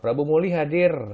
prabu muli hadir